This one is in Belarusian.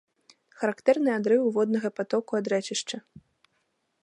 Характэрны адрыў воднага патоку ад рэчышча.